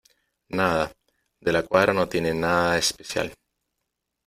nada , De la Cuadra no tiene nada especial .